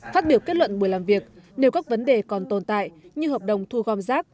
phát biểu kết luận buổi làm việc nếu các vấn đề còn tồn tại như hợp đồng thu gom rác